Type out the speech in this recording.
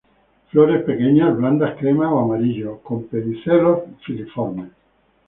Flores pequeñas, blancas, crema o amarillo; con pedicelos filiformes.